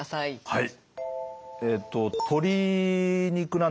はい。